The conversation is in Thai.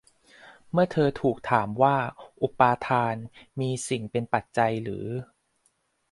เมื่อเธอถูกถามว่าอุปาทานมีสิ่งเป็นปัจจัยหรือ